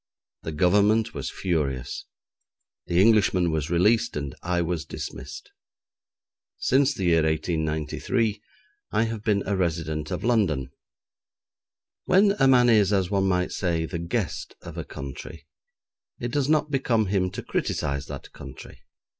The Government was furious. The Englishman was released and I was dismissed. Since the year 1893 I have been a resident of London. When a man is, as one might say, the guest of a country, it does not become him to criticise that country.